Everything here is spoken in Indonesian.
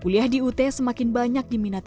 kuliah di ut semakin banyak diminati